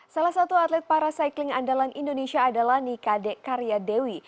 salah satu atlet para cycling andalan indonesia adalah nikade karyadewi